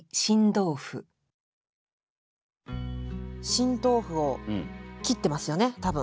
新豆腐を切ってますよね多分。